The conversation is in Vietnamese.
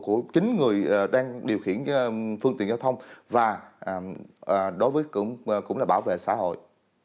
của chính người đang điều khiển phương tiện giao thông và đối với cũng là bảo vệ xã hội